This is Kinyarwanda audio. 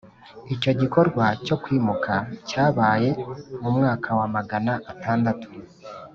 icyo gikorwa cyo kwimuka cyabaye mu mwaka wa magana atandatu,